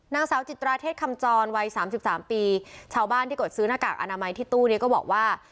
นางสาวจิตราเทศคำจรวัยสามสิบสามปีชาวบ้านที่กดซื้อหน้ากากอนามัยที่ตู้นี้ก็บอกว่า